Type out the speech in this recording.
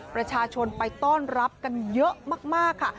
ประชาชนไปต้อนรับกันเยอะมากค่ะ